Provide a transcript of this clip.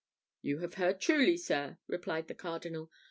"You have heard truly, sir," replied the Cardinal.